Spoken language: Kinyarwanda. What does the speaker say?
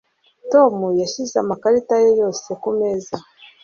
Tom yashyize amakarita ye yose kumeza